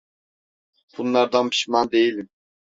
Bunlardan pişman değilim…